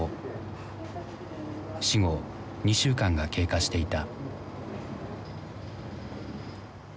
死後２週間が経過していた。